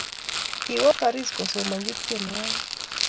Kiwo Paris kosomanji tienwogik